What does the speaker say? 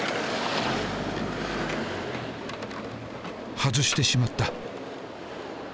外してしまった。